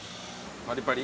パリパリ？